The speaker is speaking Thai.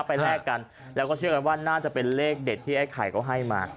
แลกกันแล้วก็เชื่อกันว่าน่าจะเป็นเลขเด็ดที่ไอ้ไข่เขาให้มา